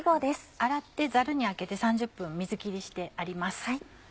洗ってザルにあけて３０分水切りしてあります。